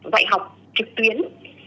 dạy học trực tuyến